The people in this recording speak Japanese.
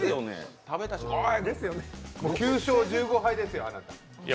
９勝１５敗ですよ、あなた。